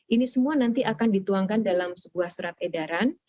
ini semua nanti akan dituangkan dalam sebuah surat edaran